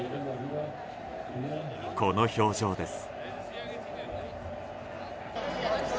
この表情です。